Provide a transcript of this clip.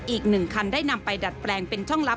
อีก๑คันได้นำไปดัดแปลงเป็นช่องลับ